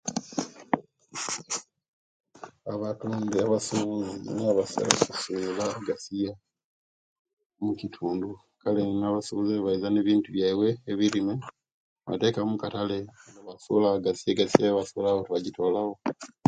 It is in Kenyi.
Abatundi abasubuzi nibo abatera okusinga okusula egasia mukitundu kale era abasubuzi owebaiza ne ebiintu byaiwe ebirime batekaawo mukatale nebasulawo egasia, egasia eyo owebasulawo tebagjitolawo